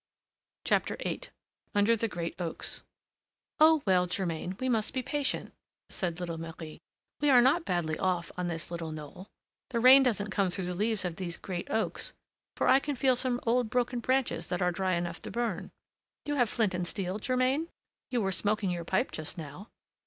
VIII UNDER THE GREAT OAKS "Oh! well, Germain, we must be patient," said little Marie. "We are not badly off on this little knoll. The rain doesn't come through the leaves of these great oaks, for I can feel some old broken branches that are dry enough to burn. You have flint and steel, Germain? You were smoking your pipe just now."